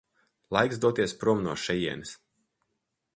Laiks doties prom no šejienes.